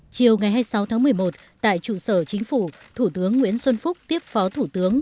chiều ngày hai mươi sáu tháng một mươi một tại trụ sở chính phủ thủ tướng nguyễn xuân phúc tiếp phó thủ tướng